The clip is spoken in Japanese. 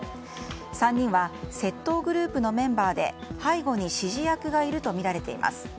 ３人は窃盗グループのメンバーで背後に指示役がいるとみられています。